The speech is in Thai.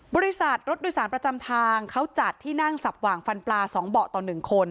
บริษัทรถโดยสารประจำทางเขาจัดที่นั่งสับหว่างฟันปลา๒เบาะต่อ๑คน